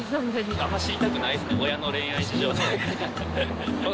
あんまり知りたくないですね、親の恋愛事情は。